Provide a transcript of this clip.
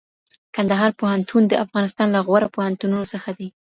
کندهار پوهنتون د افغانستان له غوره پوهنتونونو څخه دئ.